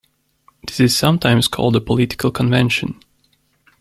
This is sometimes called a political convention.